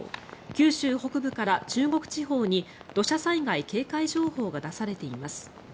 九州北部から中国地方に土砂災害警戒情報が出されています。